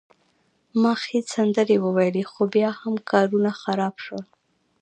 ما ښې سندرې وویلي، خو بیا هم کارونه خراب شول.